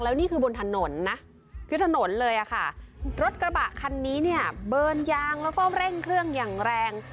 แล้วนี่คือบนถนนนะคือถนนเลยอะค่ะรถกระบะคันนี้เนี่ยเบิร์นยางแล้วก็เร่งเครื่องอย่างแรง